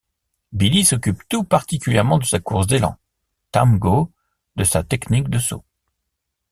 Bily s'occupe tout particulièrement de sa course d'élan, Tamgho de sa technique de saut.